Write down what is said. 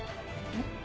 えっ？